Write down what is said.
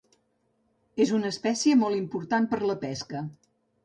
És una espècie molt important per a la pesca.